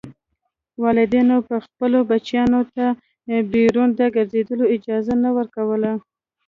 والدینو به خپلو بچیانو ته بیرون د ګرځېدو اجازه نه ورکوله.